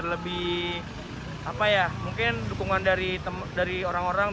lebih apa ya mungkin dukungan dari orang orang